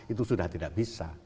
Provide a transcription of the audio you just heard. itu sudah tidak bisa